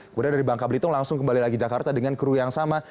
kemudian dari bangka belitung langsung kembali lagi jakarta dengan kru yang sama